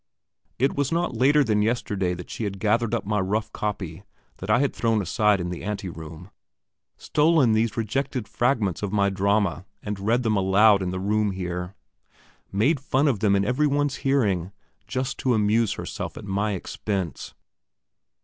It was not later than yesterday that she gathered up my rough copy, that I had thrown aside in the ante room stolen these rejected fragments of my drama, and read them aloud in the room here; made fun of them in every one's hearing, just to amuse herself at my expense.